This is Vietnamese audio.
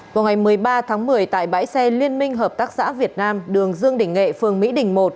vào ngày một mươi ba tháng một mươi tại bãi xe liên minh hợp tác xã việt nam đường dương đình nghệ phường mỹ đình một